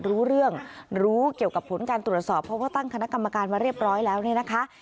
รู้เรื่องรู้เกี่ยวกับผลการตรวจสอบเพราะว่าตั้งคณะกรรมการมาเรียบร้อยแล้วเนี่ยนะคะ